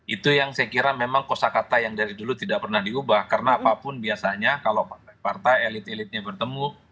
itu yang saya kira memang kosa kata yang dari dulu tidak pernah diubah karena apapun biasanya kalau partai partai elit elitnya bertemu